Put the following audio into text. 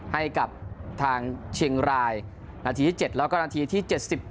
ให้กับทางเชียงรายนาทีที่๗แล้วก็นาทีที่๗๑